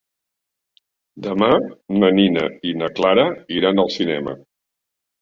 Demà na Nina i na Clara iran al cinema.